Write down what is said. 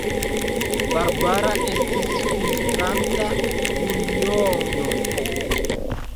Barbara estis filtranta buljonon.